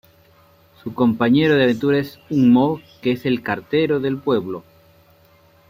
Su compañero de aventuras es un Moo, que es el cartero del pueblo.